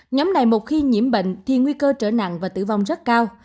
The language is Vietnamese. nhóm này một khi nhiễm bệnh thì nguy cơ trở nặng và tử vong rất cao